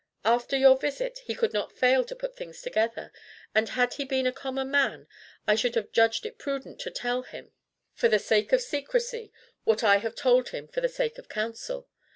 After your visit, he could not fail to put things together, and had he been a common man, I should have judged it prudent to tell him for the sake of secrecy what I have told him for the sake of counsel.